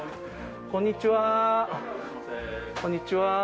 こんにちは。